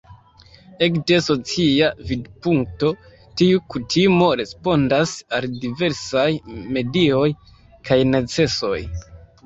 Ekde socia vidpunkto tiu kutimo respondas al diversaj medioj kaj necesoj.